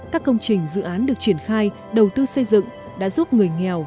các công trình dự án được triển khai đầu tư xây dựng đã giúp người nghèo